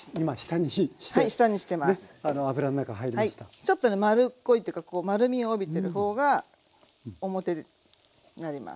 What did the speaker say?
ちょっと丸っこいというかこう丸みを帯びてる方が表になります。